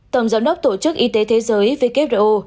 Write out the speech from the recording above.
tổng giám đốc tổ chức y tế thế giới who